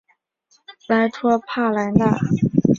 莱托帕莱纳是意大利阿布鲁佐大区基耶蒂省的一个镇。